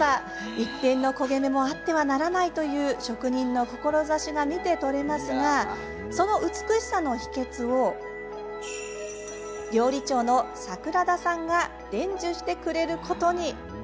一点の焦げ目もあってはならないという職人の志が見て取れますがその美しさの秘けつを料理長の桜田さんが伝授してくれることに。